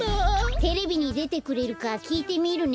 テレビにでてくれるかきいてみるね。